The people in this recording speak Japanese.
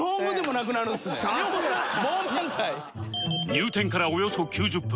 入店からおよそ９０分